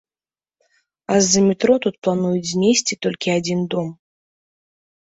А з-за метро тут плануюць знесці толькі адзін дом.